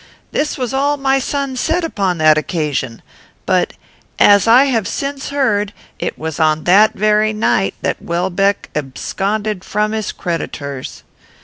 This was all my son said upon that occasion; but, as I have since heard, it was on that very night that Welbeck absconded from his creditors.'